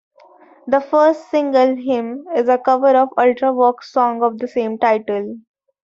The first single "Hymn" is a cover of Ultravox song of the same title.